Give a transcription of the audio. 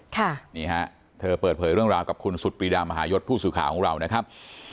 ค่ะนี่ฮะเธอเปิดเผยเรื่องราวกับคุณสุดปรีดามหายศผู้สื่อข่าวของเรานะครับ